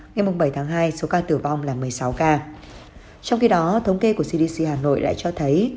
ngày bảy tháng hai số ca tử vong là một mươi sáu ca trong khi đó thống kê của cdc hà nội lại cho thấy